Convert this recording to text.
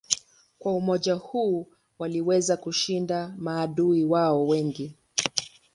Kwa umoja huo waliweza kushinda maadui wao wengi.